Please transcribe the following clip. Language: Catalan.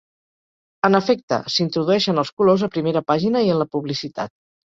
En efecte, s'introdueixen els colors a primera pàgina i en la publicitat.